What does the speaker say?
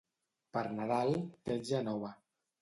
Per Nadal, petja nova.